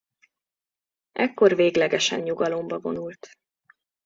Ekkor véglegesen nyugalomba vonult.